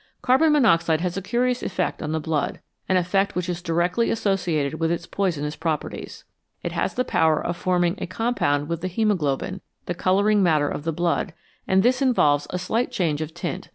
Carbon monoxide has a curious effect on the blood an effect which is directly associated with its poisonous properties. It has the power of forming a com pound with the haemoglobin, the colouring matter of the blood, and this involves a slight change of tint.